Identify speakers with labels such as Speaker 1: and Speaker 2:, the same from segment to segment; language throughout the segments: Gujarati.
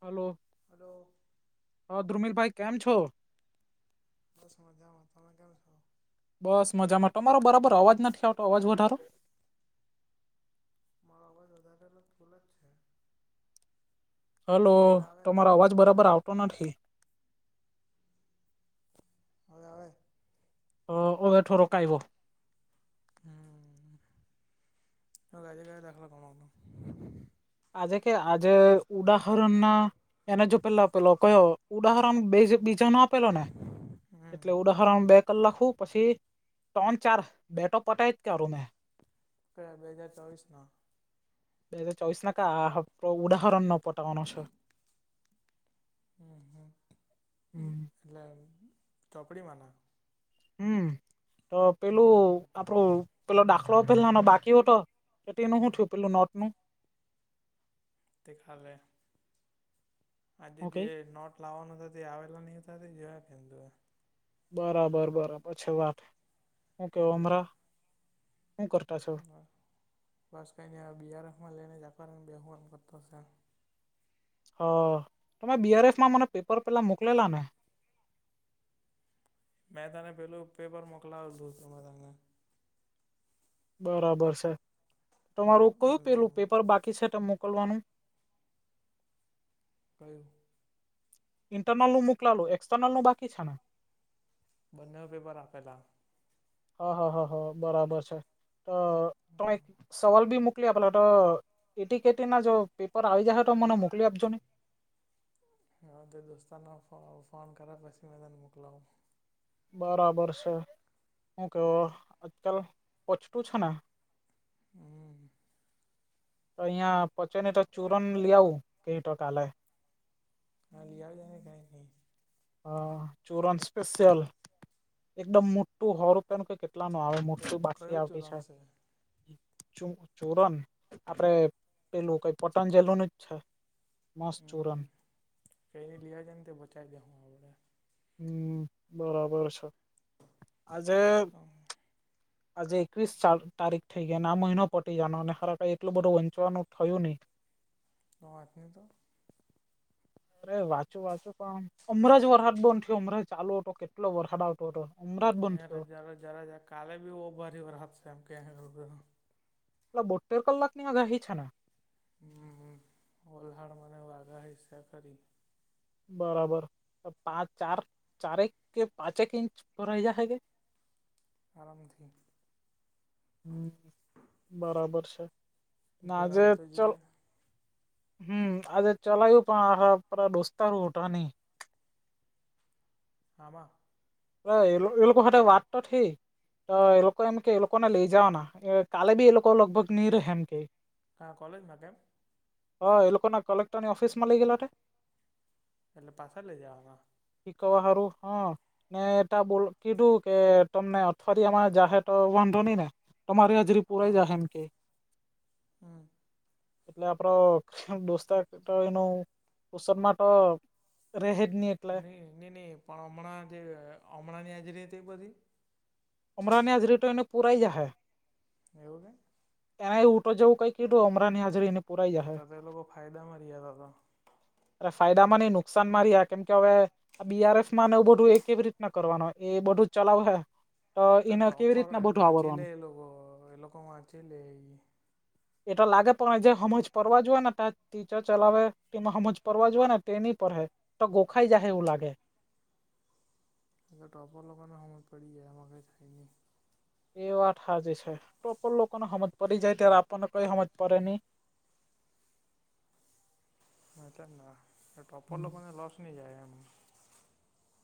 Speaker 1: હાલો
Speaker 2: હાલો.
Speaker 1: હા દ્ધુમીલભાઈ કેમ છો?
Speaker 2: બસ મજામાં. તમે કેમ છો?
Speaker 1: બસ મજામાં. તમારો બરાબર અવાજ નથી આવતો અવાજ વધારો
Speaker 2: મારો અવાજ વધારેલો ફૂલ જ છે.
Speaker 1: હાલો
Speaker 2: હવે આવે
Speaker 1: તમારો અવાજ બરાબર આવતો નથી.
Speaker 2: અવે આવે
Speaker 1: હા હવે થોડોક આયવો.
Speaker 2: હમ આજે [unintelligible]
Speaker 1: આજે કે આજે ઉદાહરણના એને જો પેલા પેલો કયો ઉદાહરણ બે જે બીજાનો આપેલો ને. એટલે ઉદાહરણમાં બે કરી નાખું પછી, ત્રણ ચાર બેતો પતાવી જ કાઢું મે.
Speaker 2: કયા બે હાજાર ચોવીસનો.
Speaker 1: બે હજાર ચોઈસના આહ ઉદાહરણનો પતાવાનો છે.
Speaker 2: હમ હમ એટલે ચોપડીમાંના.
Speaker 1: હમ. તો પેલું
Speaker 2: હમ
Speaker 1: આપડું પેલો દાખલો પેલાનો બાકી હતો. તો તેનું હું
Speaker 2: હમ
Speaker 1: થયું, પેલું નોટનુ
Speaker 2: તે આલે આજે
Speaker 1: ઓકે
Speaker 2: જે નોટ લાવાનું હતું. તે આવેલા ની [unintelligible]
Speaker 1: બરાબર બરાબર પછી વાત. હું
Speaker 2: એટલે
Speaker 1: કેવઅમના, હું કરે
Speaker 2: બસ કાઈ ની [unintelligible] બેહુ એમ કરતો છે.
Speaker 1: હ. તમે બીઆરએસના મને પેપર પેલા મોકલેલા ને.
Speaker 2: મે તને પેલું પેપર મોકલાવેલુ તમારામાં
Speaker 1: બરાબર છે. તમારું કયું પેલું પેપર બાકી છે. તા મોકલવાનું?
Speaker 2: કયું?
Speaker 1: ઇન્ટરનલનુ મોકલા વેલું એક્સટર્નલનુ બાકી છે. ને
Speaker 2: બંનેવ પેપર આપેલા
Speaker 1: હ હ હ હ બરાબર છે. [unintelligible] એક સવાલબી મુક મોકલી આપેલો તો એટી કેટીના જો પેપર આવી જાહે તો મને મોકલી આપજોને.
Speaker 2: હા તે દોસ્તારને હું ફોન ફોન કરા પછી મે તને મોકલાવું.
Speaker 1: બરાબર છે. હું કેવ આજકાલ [unintelligible] છે ને?
Speaker 2: હમ્મ.
Speaker 1: તો અહિયાં પચેને તો ચૂરન લી આઉ કેય તો કાલે?
Speaker 2: હા લી આવજે ની કાઈ ની.
Speaker 1: હ ચૂરન સ્પેશિયલ એકદમ મોટું હો રૂપિયા નું [unintelligible] એટલામાં આવે
Speaker 2: કયું
Speaker 1: મોટું બાટલી
Speaker 2: કયું
Speaker 1: આવતી
Speaker 2: ચૂરણ
Speaker 1: છે. ચુ ચૂરન આપડે પેલું કઈ પતંજલુ નું જ છે. મસ્ત ચૂરન.
Speaker 2: હમ કઈ ની લી આવજે ને [unintelligible]
Speaker 1: હમ્મ બરાબર છે આજે
Speaker 2: તો
Speaker 1: આજે એકવીસ સાલ તારીખ થેઈ ગિયાન આ મહિનો પતી જવાનો અને હરા કઈ એટલું બધું વંચવાનું થયું ની.
Speaker 2: વાચની તો.
Speaker 1: અરે વાંચું વાંચું પણ અમરે જ વરહાદ બંધ થયો અમરે જ ચાલુ હતો કેટલો વરહાદ આવતો હતો. હમણાં જ બંધ
Speaker 2: અરે
Speaker 1: થયો
Speaker 2: [unintelligible] કાલેબી બો ભારી વરસાદ છે [unintelligible]
Speaker 1: એતો બોતેર કલાક ની આગાહી છે ને?
Speaker 2: હમ્મ હમ્મ વલહાડમા [unintelligible] આગાહી છે ખરી?
Speaker 1: બરાબર [unintelligible] પાંચ ચાર ચારેક કે પાંચેક ઇંચ ભરાઈ જાહે કે?
Speaker 2: આરામથી.
Speaker 1: હમ્મ બરાબર છે ને આજે
Speaker 2: ભરાવું તો
Speaker 1: ચલ
Speaker 2: જોઈએ
Speaker 1: હમ્મ આજે ચલાય્યું પણ [unintelligible] દોસ્તારો હુટા ની.
Speaker 2: હામાં?
Speaker 1: [unintelligible] એલોક એલોકો હાતે વાટ તો થેઈ. તો એ લોકો એમ કે એ લોકો ને લેઈ જાવાના એ કાલે બી એ લોકો લગભગ ની રેહે એમ કે
Speaker 2: કા કોલેજમાં કેમ?
Speaker 1: હા એલોકોને કલેક્ટર ની ઓફિસ માં લેઈ ગેયલા તે.
Speaker 2: એટલે પાછા લેઈ જવાના?
Speaker 1: હીકવવા હારું હ. ને તા બોલ કીધું કે તમને અથવારીયા માં જાહે તો વાંધો ની ને તમારી હાજરી પુરાઈ
Speaker 2: હા
Speaker 1: જાહે એમ કે
Speaker 2: હમ
Speaker 1: એટલે આપરો દોસ્તાર તો એનું ટુશનમાં તો રેહેજ ની.
Speaker 2: ની નીની પણ હમણા જે હમણાં ની હાજરી [unintelligible] તે બધી.
Speaker 1: અમરાની હજારી તો એનુ પુરાઈ જાહે.
Speaker 2: એવું કે?
Speaker 1: એ આ એવું તો જેવું કઈ કીધું અમરાની હાજરીને પુરાઈ જશે
Speaker 2: તો તો એલોકો ફાયદામાં રિહ્યા તો તો.
Speaker 1: અરે ફાયદામાં ની નુકસાનમાં રીયા કેમ કે હવે આ બીઆરસમાં ને એવું બધું એ કેવી રીતના કરવાના એ બધું જ ચલાવહે.
Speaker 2: એ તો
Speaker 1: એને કેવી
Speaker 2: ટોપર
Speaker 1: રીતના
Speaker 2: અ
Speaker 1: બધું
Speaker 2: વાચી લે
Speaker 1: આવરવાનું
Speaker 2: એલોકો એ લોકો વચી લેઈ.
Speaker 1: એટો લાગે પણ જે હમજ પરવા જોએને તાજ ટીચર ચલાવે [unintelligible] હમજ પરવા જોએને તે ની પરહે તો ગોખાઈ જાહે એવું લાગે.
Speaker 2: [unintelligible] ટોપર લોકોને હમજ પડી જાય આમા કઈ થાય ની.
Speaker 1: એ વાત હાચી છે ટોપર લોકોને હમજ પડી જાય ત્યારે આપણને કઈ હમજ પડે ની.
Speaker 2: હ એટલે જ ને ને ટોપર લોકોને લોસ નહી જાય એમ.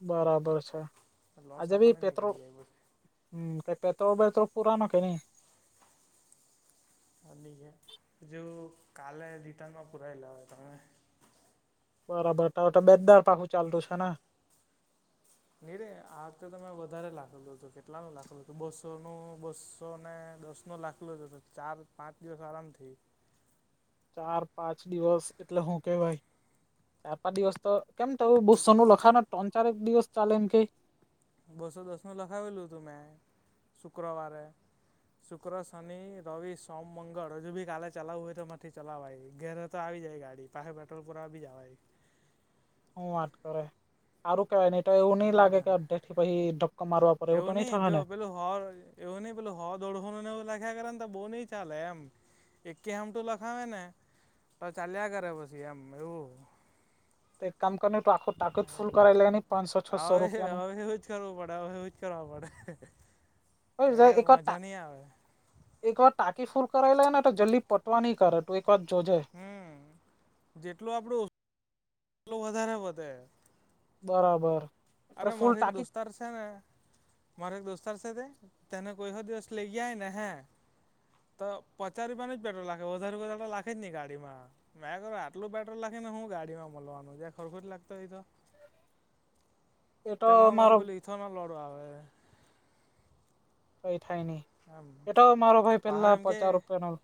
Speaker 1: બરાબર છે.
Speaker 2: લોસ
Speaker 1: આજે બી
Speaker 2: આપણને જ
Speaker 1: પેપર
Speaker 2: નીકળી જાય પછી
Speaker 1: હમ કે પેટ્રોલ પેટ્રોલ પુરાનો કે ની?
Speaker 2: આજ ની જેમ જો કાલે રિટર્નમાં પુરાય લાવા તો મે.
Speaker 1: બરાબર તારું તો બે જ દહાડા પાહું ચાલતું છે ને.
Speaker 2: નીરેે આ વખતે તો મેંએ વધારે લાખેલું હતુ કેટલા નું લાખેલું હતુ બસો ને બસોને દશનું લાખે જ હતું ચાર પાંચ દિવસ આરામ થી
Speaker 1: ચાર પાંચ દિવસ એટલે હું કેવાય? ચાર પાંચ દિવસ તો કેમ તારું બસો નું લખાવે ને ત્રણ ચાર દિવસ ચાલે એમ કઈ?
Speaker 2: બસો દસ નું લખાવેલું હતું મેં શુક્રવારે. શુક્ર, શનિ, રવિ, સોમ, મંગળ હજુ ભી કાલે ચલાવું હોય તો માર થી ચલાવાય ધેરે તો આવી જાય ગાડી પાહૈ પેટ્રોલ પૂરવા બી જવાય.
Speaker 1: હું વાત કરે. હારું કેહવાય ની તો એવું ની
Speaker 2: હમ
Speaker 1: લાગે કે અડઘે થી પછી ધક્કો મારવા પડે એવું તો નઈ
Speaker 2: નહી
Speaker 1: થઈ
Speaker 2: જો
Speaker 1: ને?
Speaker 2: પેલું હો એવું ની પેલું હો દોળહોનું લખ્યા કરે ને તો બો ની ચાલે એમ. એકી હામતુ લખાવે ને તો ચાલ્યા કરે પછી એમ એવું.
Speaker 1: તો એક કામ કરીને તું આખું ટાંકુ જ ફૂલ કરાવી લેની પાંચસો છસો
Speaker 2: હા એટલે હવે
Speaker 1: રૂપિયાનું
Speaker 2: એવું જ કરવું પડે હવે એવું જ કરવા પડે.
Speaker 1: એક
Speaker 2: કેમ કે મજા
Speaker 1: વાર
Speaker 2: ની આવે.
Speaker 1: એક વાર ટાંકી ફુલ કરાવી લેને તો, જલ્દી પટવા ની કરે તું એક વાર જોજે.
Speaker 2: હમમ, જેટલુ આપણું એટલુ વધારે વધે.
Speaker 1: બરાબર. આપડે
Speaker 2: અરે
Speaker 1: ફૂલ
Speaker 2: મારો એક
Speaker 1: ટાંકી
Speaker 2: દોસ્તાર સે, ને મારો એક દોસ્તાર છે તે, તેને કોઈ હો દિવસ લઇ ગિયા હોય ને હે તો પચાસ રૂપિયાનું જ પેટ્રોલ લાખે વધારે વધાર લાખે જ ની ગાડીમાં. મેં કરું આટલું પેટ્રોલ લાખી ને હું ગાડીમાં મલવાનું, જરાક હરખું જ લાખતો હોય તો.
Speaker 1: એ તો
Speaker 2: તેમાં હો
Speaker 1: મારો
Speaker 2: પાહું પેલું ઇથેનોલવાળું આવે.
Speaker 1: કંઇ થાયની,
Speaker 2: એમ
Speaker 1: એતો મારો ભાઈ
Speaker 2: પાહે
Speaker 1: પેલા
Speaker 2: એમ કે
Speaker 1: પચાસ રૂપિયાનો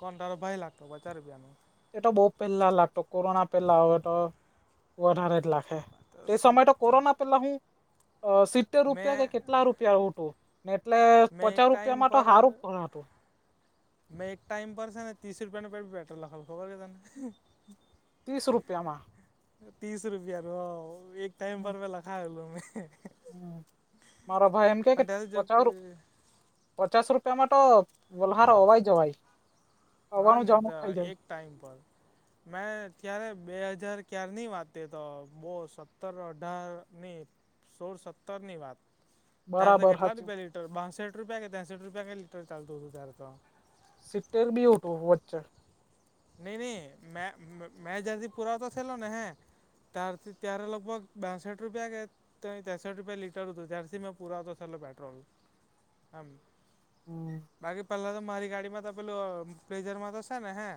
Speaker 2: કોણ તારો ભાઈ લાખતો પચાસ રૂપિયાનું
Speaker 1: એતો બો પેલા લાખતો, કોરોના પેલાહ અવે તો વધારે જ. તે સમય તો કોરોના પહેલા હું અ સીપ સીતેર
Speaker 2: મેં
Speaker 1: રૂપિયા કે કેટલા રૂપિયા હતું, એટલે
Speaker 2: મેં એક
Speaker 1: પચાસ
Speaker 2: ટાઈમ
Speaker 1: રૂપિયામાં
Speaker 2: પર
Speaker 1: હારું પણ હતું.
Speaker 2: મેં એક ટાઈમ પર છે, ને ત્રીસ રૂપિયા બી પેટ્રોલ લખાવતો ખબર કે તને.
Speaker 1: ત્રીસ રૂપિયામાં.
Speaker 2: ત્રીસ રૂપિયાનું હા એક ટાઈમ પર મેં લખાવેલું મેં.
Speaker 1: હમમ, મારો ભાઈ એમ કે કે
Speaker 2: પણ ત્યારે જો
Speaker 1: પચાસ પચાસ રૂપિયામાં તો વલહાડ અવાઈ જવાય,
Speaker 2: હા
Speaker 1: આવાનું
Speaker 2: ને
Speaker 1: જવાનું
Speaker 2: તો
Speaker 1: થઈ જાય.
Speaker 2: એક ટાઈમ પર. મેં કયારે બે હજાર ક્યાર ની વાત તે તો, બો સત્તર અઢાર ની સોળ સત્તરની વાત. ત્યારે તો
Speaker 1: બરાબર
Speaker 2: કેટલા
Speaker 1: સાચું
Speaker 2: રૂપિયા લીટર બાસઠ રૂપિયા કે તેસઠ રૂપિયા કંઇ લીટર ચાલતું હતું ત્યારે તો.
Speaker 1: સીતેર ભી હતું વચ્ચે.
Speaker 2: ની ની મે મે જયારેથી પુરાવતો થેયલો ને હે તાર થી ત્યારે લગભગ બાસઠ રૂપિયા કે તઈ ત્રેસઠ રૂપિયા લીટર હતું ત્યારથી મે પુરાવતો થેલો પેટ્રોલ એમ.
Speaker 1: હમ
Speaker 2: બાકી પહેલા તો મારી ગાડીમાં તો પેલું પ્લેઝરમાં તો છે ને હે.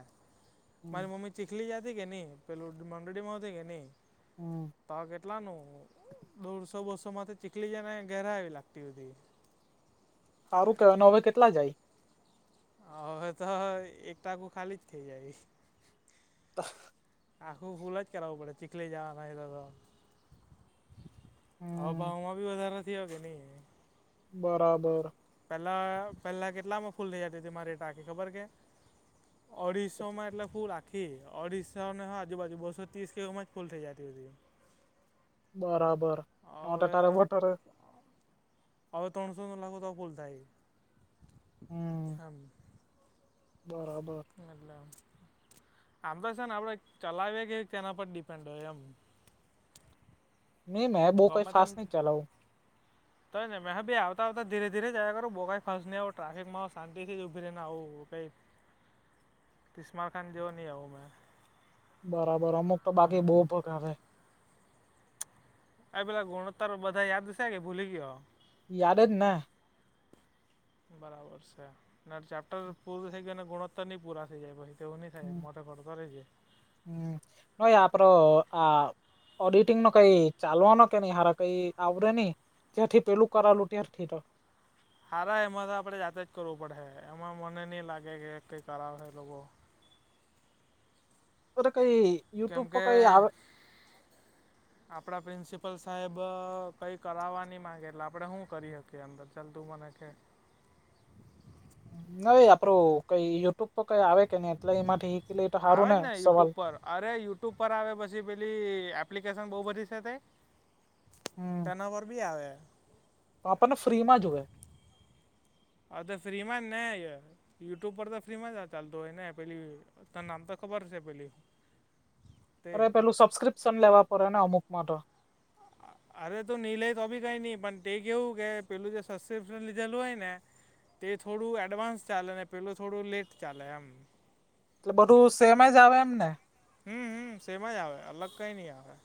Speaker 1: હમ
Speaker 2: મારી મમ્મી ચીખલી જાતિ કે ની, પેલું મંડળીમાં હુતી કે નહી
Speaker 1: હમ
Speaker 2: પાવાગઢ. એટલાનું દોઢસો બસોમાંથી ચીખલી જાય ને ઘેરે આવી લાગતી હતી.
Speaker 1: સારું કેવાય, ને હવે કેટલા જાય.
Speaker 2: હ, હવે તો એક ટાકો ખાલી જ થઈ જાય.
Speaker 1: [inaudible]
Speaker 2: આખું ફૂલ જ કરાવવું પડે, ચીખલી જવાના હોય તો તો. હવે
Speaker 1: હમ
Speaker 2: ભાવમાં બી વધારો થીયો કેની.
Speaker 1: બરાબર.
Speaker 2: પેલા પેલા કેટલામાં ફૂલ થઈ જતી હતી મારી ટાંકી ખબર કે અઢીસોમાં એટલે ફુલ. ખી અઢીસો ને આજુ બાજુ બસો ત્રીસ કે એવુ માં જ ફુલ થઈ જાતી હતી.
Speaker 1: બરાબર, હવે તો તારે [unintelligible]
Speaker 2: હવે તણસો નું નાખું તો ફુલ થાય.
Speaker 1: હમ
Speaker 2: એમ
Speaker 1: બરાબર.
Speaker 2: એટલે, આમ તો છે ને આપણે ચલાવીએ કેવી રીતે તેના પર ડિપેન્ડ હોય એમ.
Speaker 1: નઈ મેં બઉ કઈ
Speaker 2: ગમે તેમ.
Speaker 1: ફાસ્ટ નહી ચલાવું
Speaker 2: તો જ ને મે બી આવતા આવતા ધીરે ધીરે જ આવ્યા કરું બો કંઈ ફાસ ની આવતા [unintelligible] શાંતથી ઉભી રહીને આવું કઈ. તિશ્માર ખાન જોવા ની આવું મેં.
Speaker 1: બરાબર, અમુક તો
Speaker 2: આમ
Speaker 1: બાકી બહુ ભગાવે.
Speaker 2: ઓય પેલા ગુણત્તર બધા યાદ છે કે ભૂલી ગયો.
Speaker 1: યાદ જ ને.
Speaker 2: બરાબર છે અને ચેપ્ટર પૂરું થઈ ગ્યુ ને ગુણોત્તર નહી પૂરા થઈ જાય ભઈ તેવું નઇ
Speaker 1: હમ
Speaker 2: થાય [unintelligible] રેજે
Speaker 1: હમ ઓય આપડો આ ઓડિટિંગ નો કઈ ચાલવાનો કે નહી હારા કઈ આવડે નઈ ત્યાંથી પેલું કરાવેલું ત્યારથી તો
Speaker 2: સારા એમાં તો આપણેે જાતે જ કરવું પડેહે એમાં મને નહી લાગે કે કઈ કરાવે હે બહુ
Speaker 1: ઓ તો કઈ
Speaker 2: કેમ
Speaker 1: યુટ્યુબ પર
Speaker 2: કે
Speaker 1: કઈ આવે
Speaker 2: આપણા પ્રિન્સિપલ સાહેબ કંઈ કરાવવા નહી માગે એટલે આપણે શું કરી શકીએ અંદર એમ તું મને કે
Speaker 1: નઈ આપડું કઈ યુટ્યુબ પર કઈ આવે કે નઈ એટલે એમાંથી નિકલે તો સારું
Speaker 2: આવે
Speaker 1: ને
Speaker 2: જ
Speaker 1: સવાલ
Speaker 2: યુટ્યુબ પર અરે યુટ્યુબ પર આવે પછી પેલી એપ્લિકેશન બહુ બધી છે તે તેનો [unintelligible] બી આવે
Speaker 1: આપણ ને ફ્રી માં જોએ
Speaker 2: હા તો ફ્રી માં જને યુટ્યુબ પર તો ફ્રી માં જ ચાલતું હોય ને પેલી તન નામ તો ખબર છે પેલી તે
Speaker 1: અરે પેલું સબસ્ક્રિપ્શન લેવા પડે ને અમુક માંતો
Speaker 2: હ અરે તો ની લય તો બી કઈ નઈ પણ તે કેવું કે પેલું જે સબસ્ક્રિપ્શન લીધેલું હોય ને તે થોડું એડવાન્સ ચાલે ને પેલુ થોડું લેટ ચાલે એમ
Speaker 1: એટલે બધું સેમજ આવે એમ ને.
Speaker 2: હમ હમ સેમજ આવે અલગ કઈ નઈ આવે.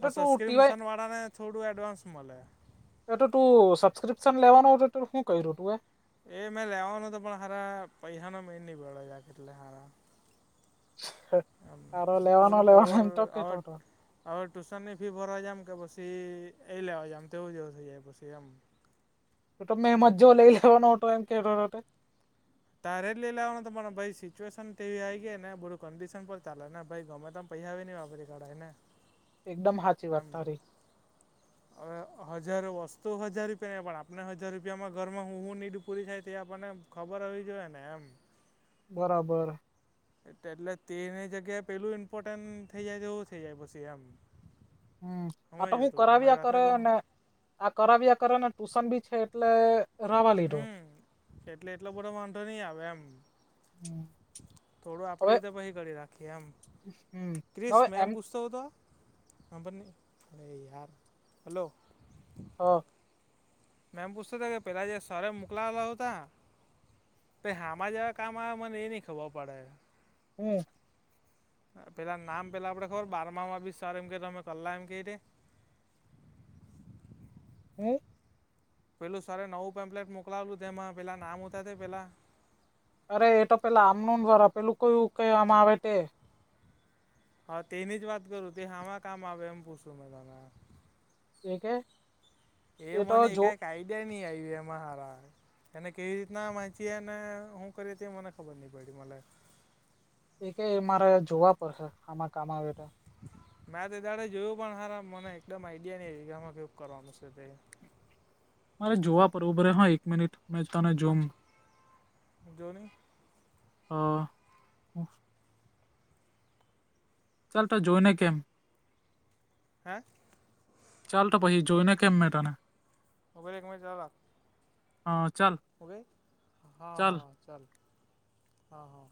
Speaker 2: હ
Speaker 1: એ તું
Speaker 2: સસ્ક્રીન
Speaker 1: ટીવાય
Speaker 2: મિશન વાળાને થોડું એડવાન્સ મળે.
Speaker 1: એ તો તું સબસ્ક્રિપ્શન લેવાનો હતો તો શું ક્યું તું એ.
Speaker 2: એ મેં લેવાનો તો પણ હારા પૈયહાં નો મેળ નહ પડે એટલે હારા એમ
Speaker 1: તારો લેવાનો
Speaker 2: થોડુંક
Speaker 1: લેવાનો એમ તો કેતો હતો તું
Speaker 2: ઓવરઆઉટ હવે ટ્યુશનની ફી ભરવા જામ કે પછી એ લેવા જામ તેવું જેવું થઇ જાય પછી એમ.
Speaker 1: તમે એમજ જો લઈ લેવાનો હતો એમ કેયા કરો તો
Speaker 2: તારે જ લઈ લાવવાનું તમાને ભાઈ સિચ્યુએશન તે એવી આવી ગઈ ને બધું કન્ડિશન પર ચાલે ને ભાઈ ગમે તેમ પૈસા બી ની વાપરી કાઢાય ને.
Speaker 1: એકદમ હાચી વાત તારી.
Speaker 2: હ હવે હજાર વસ્તુ હજાર રૂપિયાની પણ આપણને હજાર રૂપિયામાં ઘરમાં હું હું હીડ પૂરી થાય તે આપણને ખબર હોવી જોઈએ ને એમ.
Speaker 1: બરાબર.
Speaker 2: એટલે તેની જગ્યાએ પેલું ઇમ્પોર્ટન્ટ થઇ જાય તો એવું થઇ જાય પછી એમ.
Speaker 1: હમ આ
Speaker 2: સમજ
Speaker 1: તો હું
Speaker 2: હતું મારી
Speaker 1: કરાવિયા
Speaker 2: વાતને
Speaker 1: કરે
Speaker 2: તો
Speaker 1: અને આ કરાવીયા કરે ને ટ્યુશન બી છે એટલે રાવા લીધો
Speaker 2: હમ એટલે એટલો બધો વાંધો નહી આવે એમ.
Speaker 1: હમ.
Speaker 2: થોડું આપણી
Speaker 1: હવે
Speaker 2: રીતે પછી કરી રાખીએ એમ
Speaker 1: હમ
Speaker 2: ક્રિસ
Speaker 1: હવે
Speaker 2: મે એમ પૂછ તો હૂતો હાબળની અરે યાર હલો
Speaker 1: હા.
Speaker 2: મેમ પૂછતો હતા કે પેલા જે સરે મોકલાવેલા હતા. તેં હામાં જેવા કામ આવે એ નહી ખબર પડે.
Speaker 1: હમ.
Speaker 2: પેલાં નામ પેલાં આપણે ખબર બારમામાં બી સરે એમ કે તમે કલા એમ કેય તે.
Speaker 1: હું.
Speaker 2: પેલું સરે નવું પેમ્પલેટ મોકલાવેલું તે એમાં પેલાં નામ ઉતાં તેં પેલાં.
Speaker 1: અરે એ તો પેલા આમનું દ્વારા પેલું કોઈ કહેવામાં આવે તે.
Speaker 2: હા તેની જ વાત કરું તે હામાં કામ આવે એમ પૂછું મે તને.
Speaker 1: એ કે.
Speaker 2: એ
Speaker 1: તો
Speaker 2: મને
Speaker 1: જો
Speaker 2: કઈક આઈડિયા નહી આવ્યું એમાં સારા એને કેવી રીતના વાંચીએ ને હું કરીએ તે મને ખબર નહ પડ મને.
Speaker 1: એ કે મારે જોવા પડશે હામાં કામ આવે તેં.
Speaker 2: મેં તેં ડાળે જોયું પણ હારા મને એકદમ આઈડિયા નઈ આવી આમાં કેવુંક કરવાનું છે તે.
Speaker 1: હા જોવા પવુંરે હા એક મિનિટ મેં તને જોમ.
Speaker 2: જોની.
Speaker 1: હા. ચાલ તો જોય ને કેમ.
Speaker 2: હા.
Speaker 1: ચાલ તો પછી જોઈ ને કેમ મે તને.
Speaker 2: ઉભો રે એકમીનીટ ચાલુ રાખ
Speaker 1: હા ચાલ.
Speaker 2: હું કેય હા હા ચાલ હા હા.